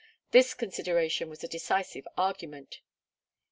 This consideration was a decisive argument.